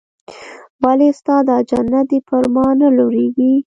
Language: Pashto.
ولې استاده جنت دې پر ما نه لورېږي.